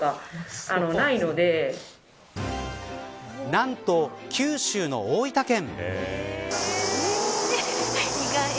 何と、九州の大分県。